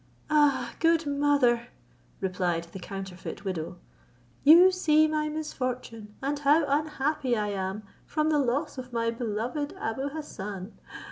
"Ah! good mother," replied the counterfeit widow, "you see my misfortune, and how unhappy I am from the loss of my beloved Abou Hassan.